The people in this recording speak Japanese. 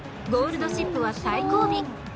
ゴールドシップは最後尾。